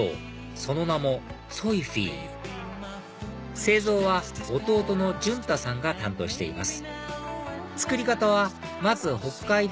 その名もソイフィー製造は弟の絢太さんが担当しています